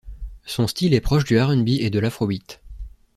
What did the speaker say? Son style est proche du RnB et de l'afrobeat.